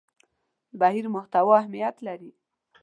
بهیر محتوا اهمیت لري.